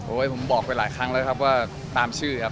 ผมบอกไปหลายครั้งแล้วครับว่าตามชื่อครับ